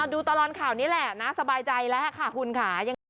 ดูตลอดข่าวนี้แหละนะสบายใจแล้วค่ะคุณค่ะยังไง